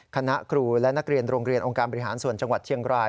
คณะครูและนักเรียนโรงเรียนองค์การบริหารส่วนจังหวัดเชียงราย